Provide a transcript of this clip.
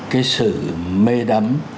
cái sự mê đắm